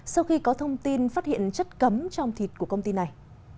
sau khi có thông tin phát hiện chất cấm trong thịt của công ty này